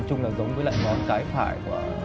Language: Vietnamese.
chứ không nói nhau